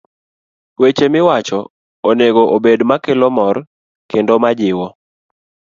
Weche miwacho onego obed makelo mor kendo majiwo